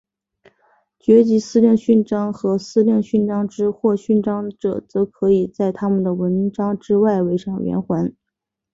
爵级司令勋章和司令勋章之获勋者则只可以在他们的纹章之外围上圆环。